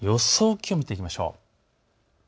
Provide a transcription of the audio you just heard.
気温を見ていきましょう。